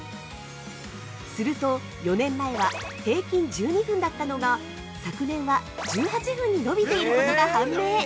すると、４年前は平均１２分だったのが、昨年は１８分に伸びていることが判明。